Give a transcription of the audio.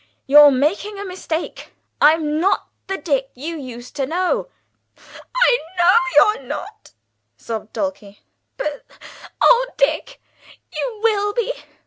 You're making a mistake. I'm not the Dick you used to know!" "I know you're not!" sobbed Dulcie. "But oh, Dick, you will be.